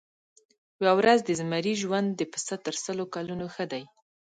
یوه ورځ د زمري ژوند د پسه تر سلو کلونو ښه دی.